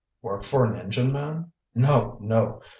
"Work for an engine man? No, no!